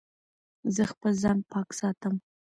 زه خپل ځان پاک ساتم.